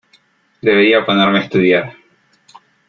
Debería ponerme a estudiar.